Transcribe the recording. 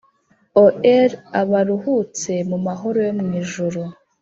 o'er abaruhutse mumahoro yo mwijuru.